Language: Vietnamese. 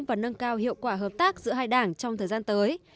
và nâng cao hiệu quả hợp tác giữa hai đảng trong thời gian tới